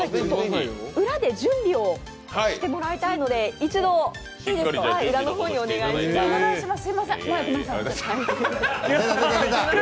裏で準備をしてもらいたいので、一度裏の方にお願いします。